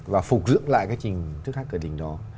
và phục dựng lại cái trình thức hát cửa đình đó